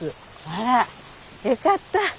あらよかった。